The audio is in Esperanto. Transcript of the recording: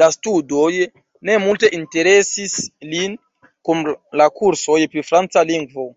La studoj ne multe interesis lin krom la kursoj pri franca lingvo.